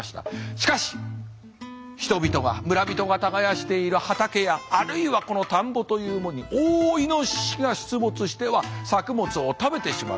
しかし人々が村人が耕している畑やあるいはこの田んぼというものに大イノシシが出没しては作物を食べてしまう。